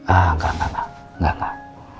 ah enggak enggak enggak